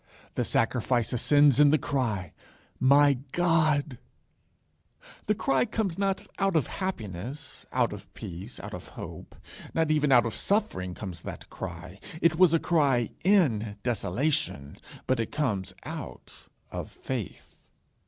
The sacrifice ascends in the cry, My God. The cry comes not out of happiness, out of peace, out of hope. Not even out of suffering comes that cry. It was a cry in desolation, but it came out of Faith.